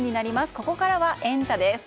ここからはエンタ！です。